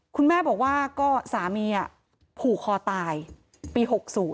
คุณแม่บอกว่าก็สามีผูกคอตายปี๖๐